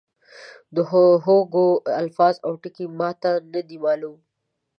د هوګو الفاظ او ټکي ما ته نه دي معلوم.